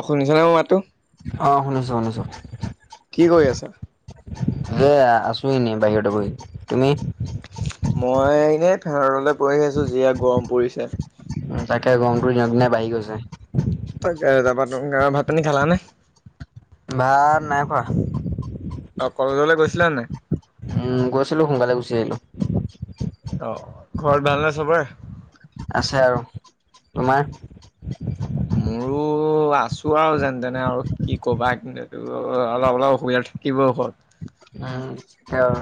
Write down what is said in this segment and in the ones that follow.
অ', শুনিছানে মোৰ মাতটো। অ', শুনিছোঁ শুনিছোঁ। কি কৰি আছা? এয়া আছো এনে বাহিৰতে বহি, তুমি? মই এনেই ফেনৰ তলতে বহি আছো, জিহে গৰম পৰিছে। তাকে গৰমটো দিনক দিনে বাঢ়ি গৈছে। তাকে [unintelligible] ভাত পানী খালা নে? ভাত নাই খোৱা। অ', কলেজলৈ গৈছিলা নে নাই? উম গৈছিলোঁ, সোনকালে গুচি আহিলো। [unintelligible] অ', ঘৰত ভাল নে চবৰে। আছে আৰু, তোমাৰ? মোৰো অ', আছো আৰু যেনে তেনে আৰু, কি ক'বা কিন্ত অলপ, অলপ অসুবিধা থাকিব ঘৰত। নাই, উম।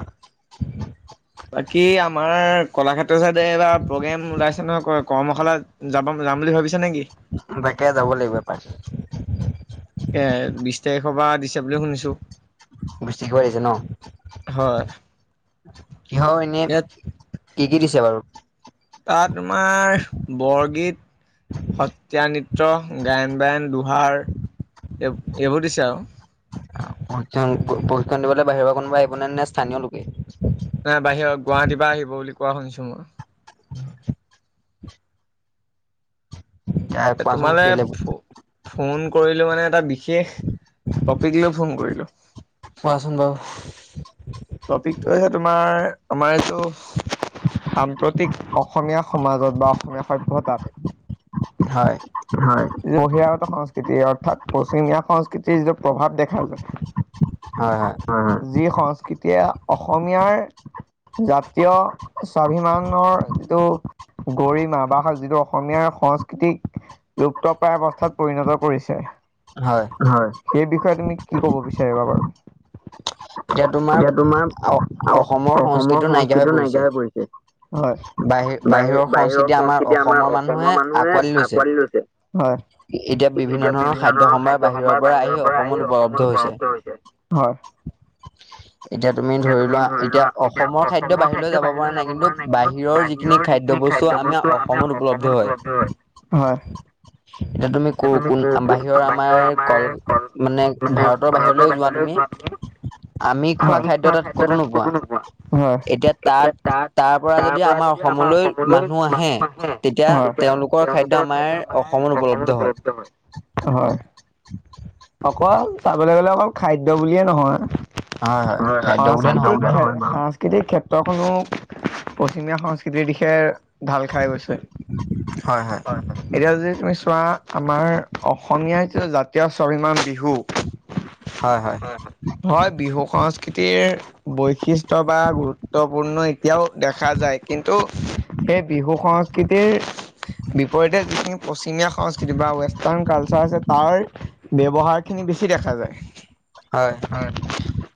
বাকী আমাৰ কলাক্ষেত্ৰৰ ছাইডে এইবাৰ প্ৰগ্ৰেম ওলাই নহয় ক কৰ্মশালাত যাব, যাম বুলি ভাবিছো নেকি? বাকে যাব লাগিব এ পাই। তাকে বিশ তাৰিখৰ, পৰা দিছে বুলি শুনিছোঁ। [unintelligible] কৰি আছে ন, হয়। এতিয়া আৰু এনে ইয়াত কি কি দিছে বাৰু? তাত তোমাৰ, বৰগীত সত্ৰীয়া নৃত্য, গায়ন বায়ন, দোহাৰ, এই-এইবোৰ দিছে আৰু। প্ৰশিক্ষণ, প্ৰশিক্ষণ দিবলৈ বাহিৰৰ পৰা কোনোবা আহিব নে, নে স্থানীয় লোকে নাই বাহিৰত, গুৱাহাটীৰ পৰা আহিব বুলি কোৱা শুনিছো মই। [unintelligible] এ কোৱাচোন তোমালে কেলে ফো-ফোন কৰিলো মানে এটা বিশেষ টপিক লৈ ফোন কৰিলোঁ। কোৱাচোন বাও। টপিকটো হে, তোমাৰ আমাৰ সাম্প্ৰতিক অসমীয়া সমাজত বা অসমীয়া সভ্যতাত হয়। হয়, বহিৰাগত সংস্কৃতি অৰ্থাৎ, পশ্চিমীয়া সংস্কৃ যিটো প্ৰভাৱ দেখা হয় হয় যায়, যি সংস্ক এতিয়া অসমীয়াৰ জাতীয় স্বাভিমানৰ যিটো গৰিমা বা যিটো অসমীয়া সংস্কৃতি লুপ্তপ্ৰায় অৱস্থাত পৰিণত কৰিছে। হয়। হয়। সেই বিষয়ে তুমি কি ক'ব বিচাৰিবা বাৰু? এতিয়া তোমাৰ, অসমৰ সংস্কৃতিটো নাইকিয়া হৈ পৰিছে। হয়। বাহি বাহিৰৰ সংস্কৃতি আমাৰ অসমৰ মানুহে আকোৱালি লৈছে। এতিয়া বিভিন্ন ধৰণৰ খাদ্য সম্ভাৰ বাহিৰৰ পৰা আহি অসমত উপলব্ধ হৈছে। হয়। এতিয়া তুমি ধৰি লোৱা এতিয়া অসমৰ খাদ্য বাহিৰলৈ যাব পৰা নাই কিন্তু বাহিৰৰ যি খিনি খাদ্য বস্তু আমাৰ অসমত উপলব্ধ হয়। হয়। এতিয়া তুমি ক-কোন বাহিৰৰ আমাৰ কল মানে ভাৰতৰ বাহিৰলৈ যোৱা তুমি আমি খোৱা খাদ্য তাত ক'তো নোপোৱা, এতিয়া তাত তাৰপৰা যদি আমাৰ অসমলৈ মানুহ আহে, তেতিয়া তেওঁলোকৰ খাদ্য আমাৰ অসমত উপলব্ধ হয়। হয়। অকল চাবলে গ'লে অকল খাদ্য বুলিয়ে নহয় হয় হয় [unintelligible] খাদ্য বুলিয়ে নহয় বাৰু। সংস্কৃতিৰ ক্ষেত্ৰখনো পশ্চিমীয়া সংস্কৃতিৰ দিশে ঢাল খাই গৈছে। হয় হয়। এতিয়া যদি তুমি চোৱা আমাৰ অসমীয়া যিটো জাতীয় স্বাভিমান বিহু হয় হয়। হয়, বিহু সংস্কৃতিৰ বৈশিষ্ট বা গুৰুত্বপূৰ্ণ এতিয়াও দেখা যায়, কিন্তু সেই বিহু সংস্কৃতিৰ বিপৰীতে যিখিনি পশ্চিমীয়া সংস্কৃতি বা ৱেষ্টাৰ্ণ কালচাৰ আছে তাৰ ব্যৱহাৰ খিনি বেছি দেখা যায়। হয়।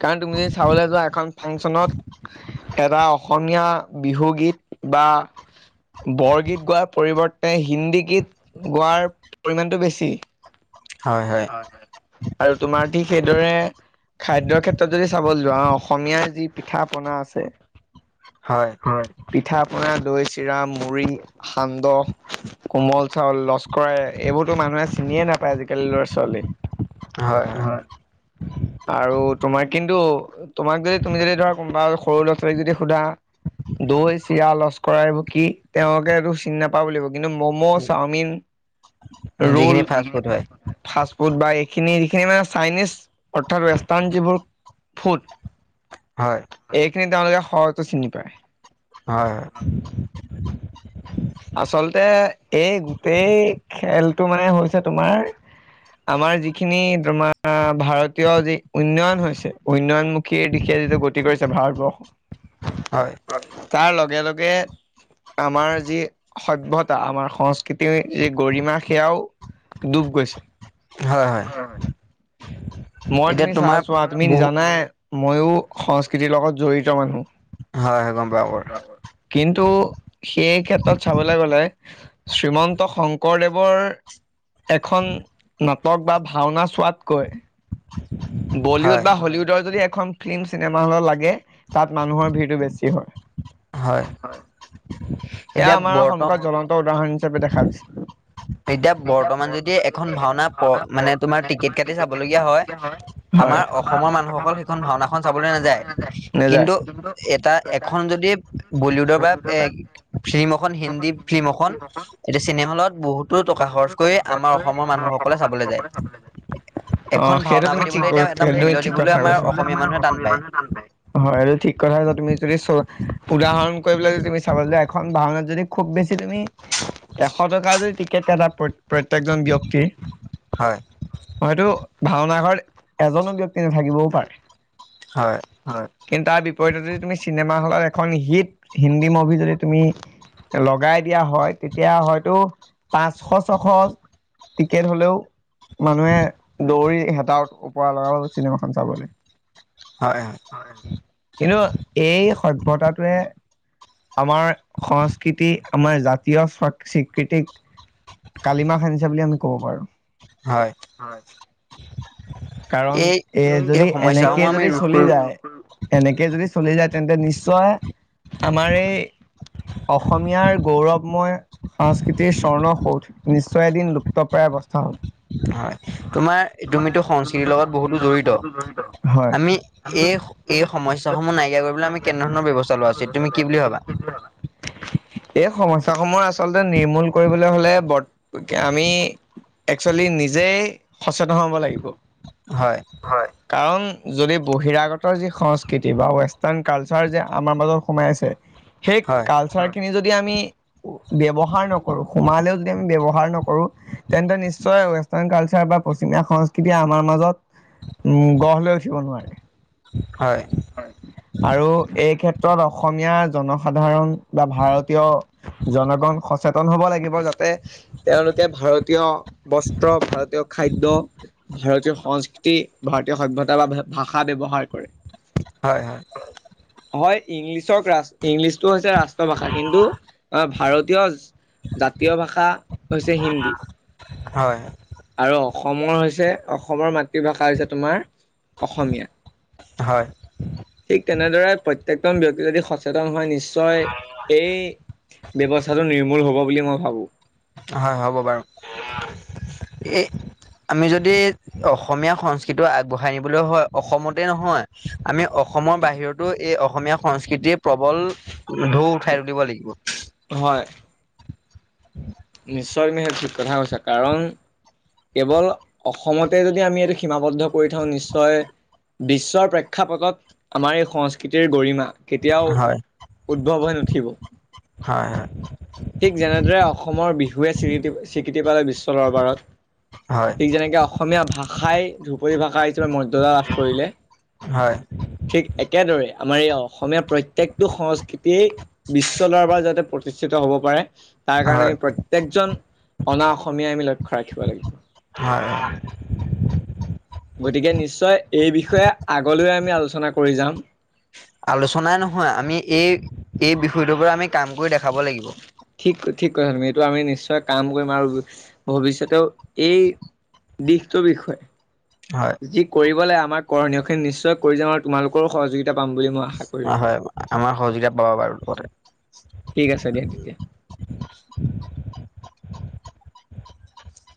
কাৰণ তুমি যদি চাবলে যোৱা এখন ফাংচনত এটা অসমীয়া বিহু গীত বা বৰগীত গোৱাৰ পৰিৱৰ্তে হিন্দী গীত গোৱাৰ পৰিমণটো বেছি। হয় হয়। আৰু তোমাৰ ঠিক সেইদৰে খাদ্যৰ ক্ষেত্ৰত যদি চাবলে যোৱা, অসমীয়াৰ যি পিঠা পনা আছে হয়। হয়। পিঠা পনা, দৈ, চিৰা, মুড়ি, সান্দহ কোমল চাউল, লস্কৰা এইবোৰতো মানুহে চিনি বুজিয়ে নাপায় আজিকালি ল'ৰা ছোৱা লী হয় হয়। আৰু তোমাৰ কিন্তু তোমাক যদি তুমি যদি ধৰা কোনোবা সৰু ল'ৰা ছোৱালীক যদি সোধা দৈ চিৰা লস্কৰাই এইবোৰ কি তেওঁলোকে একো চিনি নাপাও বুলি কব কিন্তু ম'ম চাওমিন ৰোল যিখিনি ফাষ্ট ফুড হয় ফাষ্ট ফুড বা এইখিনি যিখিনি মানে চাইনিজ অৰ্থাৎ ৱেষ্টাৰ্ণ যিবোৰ ফুড হয়। এইখিনি তেওঁলোকে সহজতে চিনি পায়। হয় হয়। আচলতে এই গোটেই খেলটো মানে হৈছে তোমাৰ আমাৰ যিখিনি তোমাৰ ভাৰতীয় যি উন্নয়ন হৈছে উন্নয়নমুখীৰ দিশে যিটো গতি কৰিছে ভাৰতবৰ্ষ হয় তাৰ লগে লগে আমাৰ যি সভ্যতা আমাৰ সংস্কৃতিৰ যি গৰিমা সেয়াও ডুব গৈছে। হয় হয়। মই এতিয়া তুমি চা তোমাৰ চোৱা তুমি বহু জানাই মইয়ো সংস্কৃতিৰ লগত জড়িত হয় হয় গম পাওঁ বাৰু মানুহ। কিন্তু সেই ক্ষেত্ৰত চাবলৈ গলে শ্ৰীমন্ত শংকৰদেৱৰ এখন নাটক বা ভাওঁনা চোৱাতকৈ হয় বলিউড বা হলিউডৰ যদি এখন ফিল্ম চিনেমা হলত লাগে। তাত মানুহৰ ভিৰটো বেছি হয়। হয়। এয়া এতিয়া আমাৰ বৰ্ত সন্মুখত জ্বলন্ত উদাহৰণ হিচাপে দেখা দিছে। এতিয়া বৰ্তমান যদি এখন ভাওঁনা মানে তোমাৰ টিকট কাটি চাব লগীয়া হয়। হয় আমাৰ অসমৰ মানুহসকল সেইখন ভাওঁনাখন চাবলৈ নাযায় নেযায় কিন্তু এটা এখন যদি বলিউডৰ বা এ ফিল্ম এখন হিন্দী ফিল্ম এখন এতিয়া চিনেমা হলত বহুতো টকা খৰচ কৰি আমাৰ অসমৰ মানুহসকলে চাবলৈ যায়। অ এখন সেইটো ভাওঁনা তুমি পাতি ঠিক কথা কৈছা। আমাৰ টান অসমীয়া পায় মানুহে টান পায়। হয়, এইটো ঠিক কথাই কৈছা তুমি যদি চ উদাহৰণ কৰিবলৈ যদি তুমি চাবা যেতিয়া এখন ভাওঁনাত যদি খুব বেছি তুমি এশ টকা যদি টিকেট কাটা প্ৰত্যেক জন ব্যক্তি হয় হয়তো ভাওঁনা ঘৰত এজনো ব্যক্তি নাথাকিবও পাৰে। হয়। হয়। কিন্তু তাৰ বিপৰীতে যদি তুমি চিনেমা হলত এখন হিট হিন্দী মুভি যদি তুমি লগাই দিয়া হয়। তেতিয়া হয়তো পাঁচশ ছশ টিকেট হ'লেও মানুহে দৌৰি হেতাও ওপৰা লগাব চিনেমাখন চাবলৈ। হয় হয়। হয়। কিন্তু এই সভয়তাটোৱে আমাৰ সংস্কৃতি আমাৰ জাতীয় স্বীকৃতিক কালিমাহ আনিছে বুলি আমি ক'ব পাৰো। হয়। কাৰণ এই এ এই যদি এনেকে সমস্যাসমূহ আমি যদি ৰোধ চলি কৰি যায়। এনেকে যদি চলি যায় তেন্তে নিশ্চয় আমাৰ এই অসমীয়াৰ গৌৰৱ মই সংস্কৃতিৰ স্বৰ্ণসৌধ নিশ্চয় এদিন লুপ্তপ্ৰায়অৱস্থা হল হয়। তোমাৰ তুমিতো সংস্কৃতিৰ লগত বহুতো জড়িত হয় আমি এই এই সমস্যাসমূহ নাইকিয়া কৰিবলৈ আমি কেনে ধৰণৰ ব্যৱস্থা লোৱাচিত তুমি কি বুলি ভাবা? [unintelligible] এই সমস্যাসমূহ আচলতে নিৰ্মূল কৰিবলৈ হ'লে বত আমি একচুৱেলি নিজেই সচেতন হ'ব লাগিব। হয়। হয়, কাৰণ যদি বহিৰাগতৰ যি সংস্কৃতি বা ৱেষ্টাৰ্ণ কালচাৰ যে আমাৰ মাজত সোমাই আছে। সেই হয় কালচাৰ খিনি যদি আমি ব্যৱহাৰ নকৰোঁ, সোমালেও যদি আমি ব্যৱহাৰ নকৰোঁ, তেন্তে নিশ্চয় ৱেষ্টাৰ্ণ কালচাৰ বা পশ্চিমীয়া সংস্কৃতিয়ে আমাৰ মাজত গঢ় লৈ উঠিব নোৱাৰে। হয়। [unintelligible] আৰু এই ক্ষেত্ৰত অসমীয়া জনসাধাৰণ বা ভাৰতীয় জনগন সচেতন হ'ব লাগিব, যাতে তেওঁলোকে ভাৰতীয়। বস্ত্ৰ ভাৰতীয় খাদ্য। ভাৰতীয় সংস্কৃতি ভাৰতীয় সভ্যতাৰ বা ভাষা ব্যৱহাৰ কৰে। হয়, হয়। মই ইংলিছৰ ৰাষ্ট ইংলিছটো হৈছে [unintelligible] ভাষা, কিন্তু ভাৰতীয় জাতীয় ভাষা হৈছে হিন্দী। হয়। আৰু অসমৰ হৈছে অসমৰ মাতৃভাষা হৈছে তোমাৰ অসমীয়া। হয় ঠিক তেনেদৰে প্ৰত্যেকজনে ব্যক্তি যদি সচেতন হয় নিশ্চয় এই ব্যৱস্থাটো নিৰ্মূল হ'ব বুলি মই ভাবোঁ। হয়, হ'ব বাৰু, এই আমি যদি অসমীয়া সংস্কৃতিটো আগবঢ়াই নিবলৈ হয় অসমতে নহয় আমি অসমৰ বাহিৰতো এই অসমীয়া সংস্কৃতিৰ প্ৰবল ঢৌ উঠাই তুলিব লাগিব। হয়। [unintelligible] নিশ্চয় [unintelligible] ঠিক কথা কৈছা। কাৰণ কেৱল অসমতে যদি আমি এইটো সীমাবদ্ধ কৰি থওঁ নিশ্চয় বিশ্বৰ প্ৰেক্ষাপটত আমাৰ এই সংস্কৃতিৰ গৰিমা। কেতিয়াও উদ্ভৱ হৈ নুঠিব। হয়, হয়। ঠিক যেনেদৰে অসমৰ বিহুৱে স্বীৃতি স্বীকৃতি পালে বিশ্ব দৰবাৰত। হয় ঠিক যেনেকে অসমীয়া ভাষাই ধ্ৰুপদী ভাষা হিচাপে মৰ্যদা লাভ কৰিলে। হয়। ঠিক একেদৰে আমাৰ এই অসমীয়া প্ৰত্যেকটো সংস্কৃতি বিশ্বৰ দৰবাৰ যাতে প্ৰতিষ্ঠিত। হ'ব পাৰে তাৰ কাৰণে হয় আমি প্ৰত্যেকজন অনা অসমীয়াই আমি লক্ষ্য ৰাখিব লাগিব। হয়। গতিকে, নিশ্চয় এই বিষয়ে আগলৈ আমি আলোচনা কৰি যাম। আলোচনাই নহয়, আমি এই এই বিষয়টোৰ পৰা আমি কাম কৰি দেখাব লাগিব। ঠিক ঠিক কথা তুমি এইটো আমি নিশ্চয় কাম কৰিম আৰু ভৱিষ্যতেও এই দিশটোৰ বিষয়ে। হয়। যি কৰিবলে, আমাৰ কৰণীয়খিনি নিশ্চয় কৰি যাম, আৰু তোমালোকৰো সহযোগিতা পাম বুলি মই আশা কৰিলো। অ', হয়, আমাৰো সহযোগিতা পাব বাৰু, মুঠতে। ঠিক আছে দিয়া, তেতিয়া।